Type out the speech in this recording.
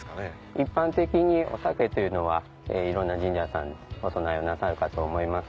一般的にお酒というのはいろんな神社さんにお供えをなさるかと思います。